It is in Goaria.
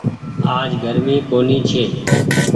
آج گرمي ڪونيٚ ڇي۔